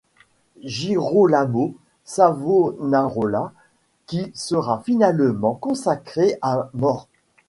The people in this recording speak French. Girolamo Savonarola, qui sera finalement consacré à mort.